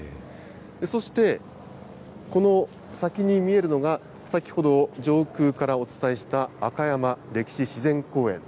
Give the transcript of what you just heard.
そして、この先に見えるのが、先ほど、上空からお伝えした、赤山歴史自然公園。